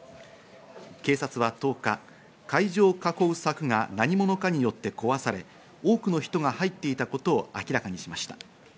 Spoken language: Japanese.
警察は１０日、会場を囲う柵が何者かによって壊され、多くの人が入っていたことを明らかにしました。